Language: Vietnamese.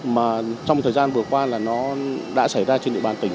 mà trong thời gian vừa qua là nó đã xảy ra trên địa bàn tỉnh